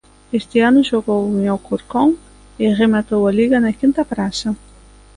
Este ano xogou en Alcorcón e rematou a Liga na quinta praza.